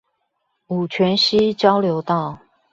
五權西交流道